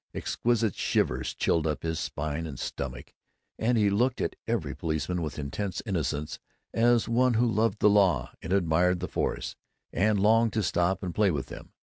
Exquisite shivers chilled his spine and stomach, and he looked at every policeman with intense innocence, as one who loved the law, and admired the Force, and longed to stop and play with them.